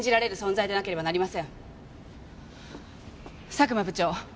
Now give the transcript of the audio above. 佐久間部長。